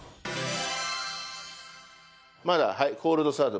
まだコールドスタート。